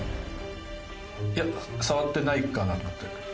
いや触ってないかなって。